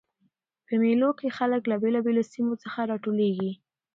په مېلو کښي خلک له بېلابېلو سیمو څخه راټولیږي.